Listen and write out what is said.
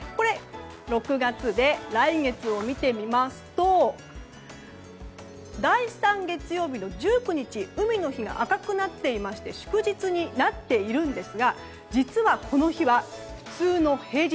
６月で、来月を見てみますと第３月曜日の１９日海の日が赤くなっていまして祝日になっているんですが実は、この日は普通の平日。